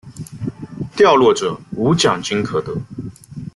掉落者无奖金可得。